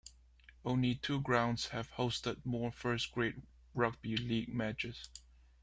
Only two grounds have hosted more first grade rugby league matches.